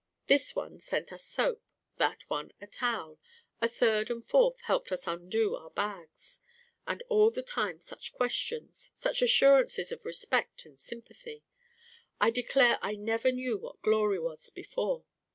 This one lent us soap, that one a towel, a third and fourth helped us to undo our bags. And all the time such questions, such assurances of respect and sympathy! I declare I never knew what glory was before.